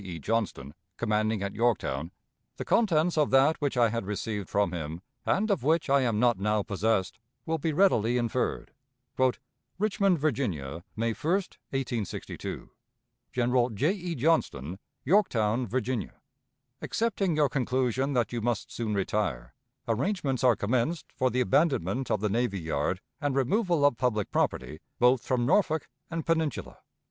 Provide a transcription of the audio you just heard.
E. Johnston, commanding at Yorktown, the contents of that which I had received from him, and of which I am not now possessed, will be readily inferred: "RICHMOND, VIRGINIA, May 1, 1862. "General J. E. JOHNSTON, Yorktown, Virginia. "Accepting your conclusion that you must soon retire, arrangements are commenced for the abandonment of the navy yard and removal of public property both from Norfolk and Peninsula.